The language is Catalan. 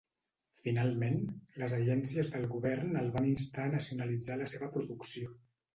Finalment, les agències del govern el van instar a nacionalitzar la seva producció.